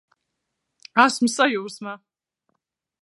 Esmu sajūsmā!